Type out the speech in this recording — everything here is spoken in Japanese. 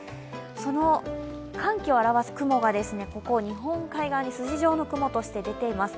その寒気を表す雲が日本海側に筋状の雲として出てきています。